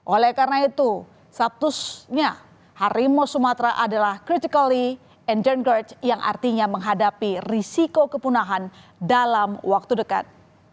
oleh karena itu sabtusnya harimau sumatera adalah critically and george yang artinya menghadapi risiko kepunahan dalam waktu dekat